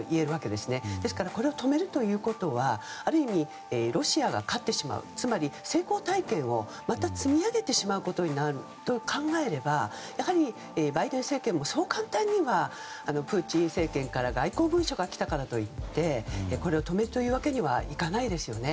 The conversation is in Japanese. ですからこれを止めるということはある意味、ロシアが勝ってしまうつまり成功体験をまた積み上げてしまうことになると考えればやはりバイデン政権もそう簡単にはプーチン政権から外交文書が来たからといってこれを止めるというわけにはいかないですよね。